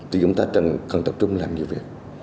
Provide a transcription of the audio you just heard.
thì chúng ta cần tập trung làm nhiều việc